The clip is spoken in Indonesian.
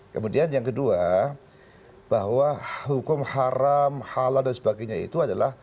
kemudian yang kedua bahwa hukum haram halal dan sebagainya itu adalah